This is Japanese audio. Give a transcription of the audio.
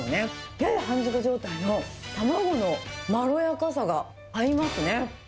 やや半熟状態の卵のまろやかさが合いますね。